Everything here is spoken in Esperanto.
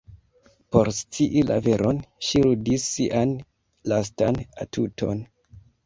Por scii la veron, ŝi ludis sian lastan atuton.